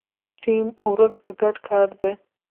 ټیم ورک ګډ کار دی